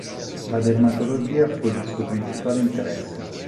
La dermatologia fu il suo principale interesse.